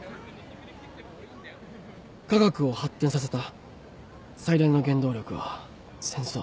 科学を発展させた最大の原動力は戦争。